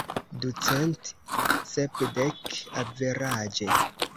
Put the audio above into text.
Ducent sepdek, averaĝe.